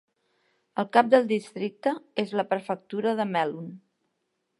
El cap del districte és la prefectura de Melun.